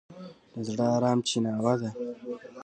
زړه د ارام چیناوه ده.